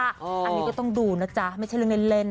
อันนี้ก็ต้องดูนะจ๊ะไม่ใช่เรื่องเล่น